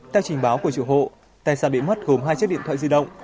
theo trình báo của chủ hộ tài sản bị mất gồm hai chiếc điện thoại di động